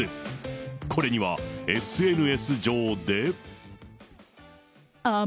これにはＳＮＳ上で。